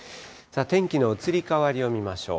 天気の移り変わりを見ましょう。